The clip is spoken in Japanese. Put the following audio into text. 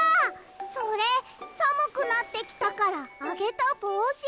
それさむくなってきたからあげたぼうし！